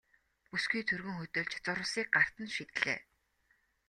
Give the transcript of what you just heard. Бүсгүй түргэн хөдөлж зурвасыг гарт нь шидлээ.